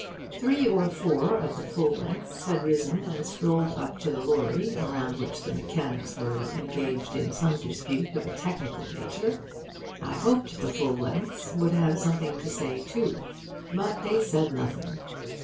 Three or four of the full lengths had risen and strolled up to the lorry, around which the mechanics were engaged in some dispute of a technical nature. I hoped the full lengths would have something to say too. But they said nothing.